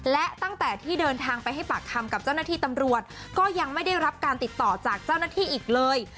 และตั้งแต่ที่เดินทางไปให้ปากคำกับเจ้าหน้าที่ตำรวจก็ยังไม่ได้รับการติดต่อจากเจ้าหน้าที่อีกเลย